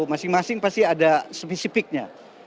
masing masing pasti ada spesifiknya